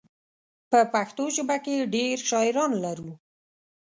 په پښتو ژبه کې ډېر شاعران لرو.